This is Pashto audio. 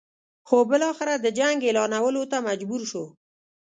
خو بالاخره د جنګ اعلانولو ته مجبور شو.